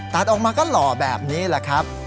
ตัดออกมาก็หล่อแบบนี้แหละครับ